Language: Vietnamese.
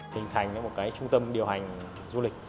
hình thành một trung tâm điều hành du lịch